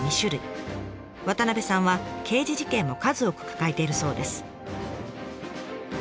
渡さんは刑事事件も数多く抱えているそうです。